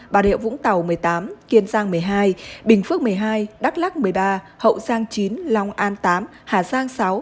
bà rịa vũng tàu một mươi tám kiên giang một mươi hai bình phước một mươi hai đắk lắc một mươi ba hậu giang chín long an tám hà giang sáu